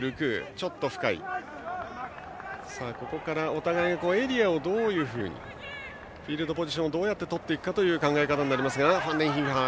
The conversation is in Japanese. お互い、ここからエリアをどういうふうにフィールドポジションをどうとっていくかという考え方になります。